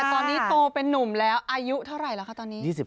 ตอนนี้โตเป็นนุ่มแล้วอายุเท่าไหร่แล้วคะตอนนี้